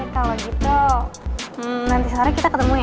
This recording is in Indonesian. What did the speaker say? kalau gitu nanti sore kita ketemu ya